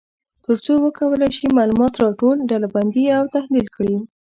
تر څو وکولای شي معلومات را ټول، ډلبندي او تحلیل کړي.